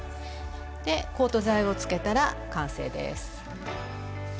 でコート剤をつけたら完成です。